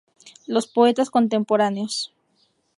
Los poetas contemporáneos.